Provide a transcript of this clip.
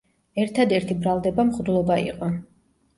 ერთადერთი ბრალდება მღვდლობა იყო.